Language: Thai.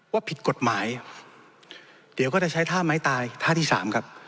ผิดกฎหมายเดี๋ยวก็จะใช้ท่าไม้ตายท่าที่สามครับ